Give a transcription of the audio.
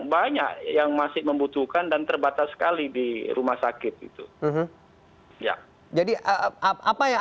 banyak yang masih membutuhkan dan terbatas sekali di rumah sakit itu ya jadi apa ya